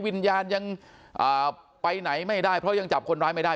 วิญญาณยังไปไหนไม่ได้เพราะยังจับคนร้ายไม่ได้